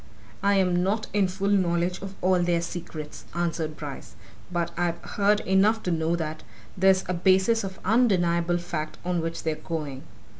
"I'm not in full knowledge of all their secrets," answered Bryce, "but I've heard enough to know that there's a basis of undeniable fact on which they're going.